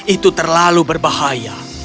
itu terlalu berbahaya